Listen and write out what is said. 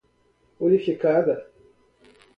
unificada